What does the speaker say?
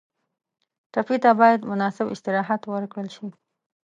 ټپي ته باید مناسب استراحت ورکړل شي.